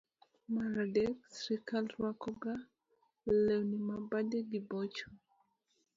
mar adek srikal rwakoga lewni na badegi bocho.